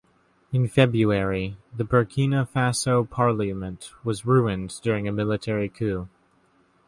In February the Burkina Faso parliament was ruined during a military coup.